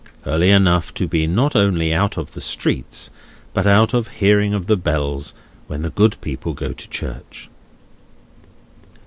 Early enough to be not only out of the streets, but out of hearing of the bells, when the good people go to church."